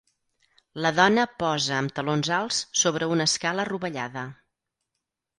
La dona posa amb talons alts sobre una escala rovellada